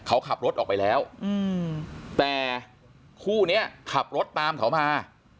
เขาขับรถออกไปแล้วแต่คู่นี้ขับรถตามเขามา